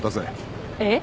えっ？